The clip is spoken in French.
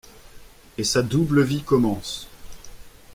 Et sa double vie commence.